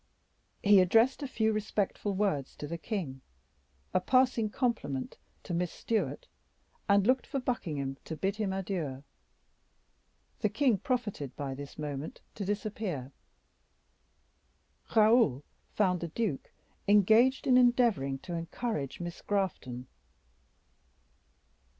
He addressed a few respectful words to the king, a passing compliment to Miss Stewart, and looked for Buckingham to bid him adieu. The king profited by this moment to disappear. Raoul found the duke engaged in endeavoring to encourage Miss Grafton.